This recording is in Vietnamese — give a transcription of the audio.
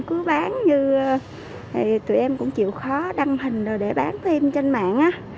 cứ bán như thì tụi em cũng chịu khó đăng hình rồi để bán thêm trên mạng á